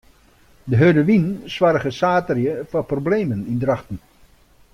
De hurde wyn soarge saterdei foar problemen yn Drachten.